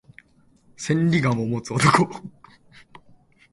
千里眼を持つ男